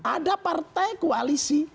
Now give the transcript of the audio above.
ada partai koalisi